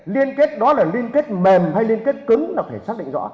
liên kết đó là liên kết mềm hay liên kết cứng là phải xác định rõ